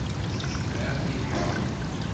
Ad t-jemɛeɣ deg lḥamu.